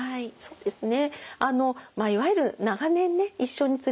そうですね。